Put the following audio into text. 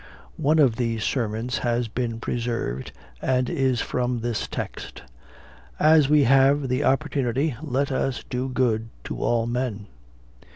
One of these sermons has been preserved, and is from this text, "As we have the opportunity, let us do good to all men."